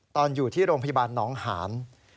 ตอนที่อยู่ที่โรงพยาบาลหนองหาน